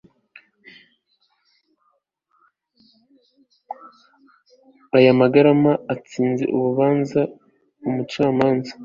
y amagarama atsinze urubanza umucamanza